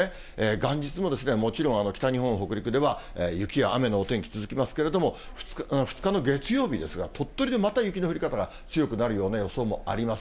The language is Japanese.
元日ももちろん、北日本、北陸では、雪や雨のお天気続きますけれども、２日の月曜日ですが、鳥取でまた雪の降り方が強くなるような予想もあります。